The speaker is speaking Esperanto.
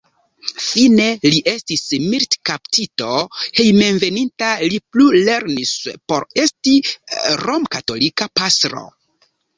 Fine li estis militkaptito, hejmenveninta li plulernis por esti romkatolika pastro.